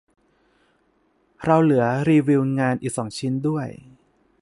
เราเหลือรีวิวงานอีกสองชิ้นด้วย